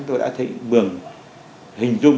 tôi đã thấy vườn hình dung